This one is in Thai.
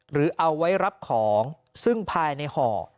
หรือเอาไว้รับของซึ่งภายในห่อ